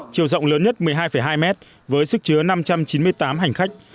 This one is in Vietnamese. chiều rộng lớn nhất một mươi hai hai mét với sức chứa năm trăm chín mươi tám hành khách